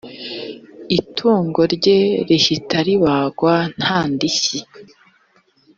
itungo rye rihita ribagwa nta ndishyi